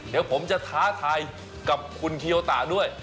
เดี๋ยวผมจะท้าทายกับคุณเคียวตาด้วย